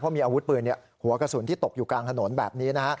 มีอาวุธปืนหัวกระสุนที่ตกอยู่กลางถนนแบบนี้นะฮะ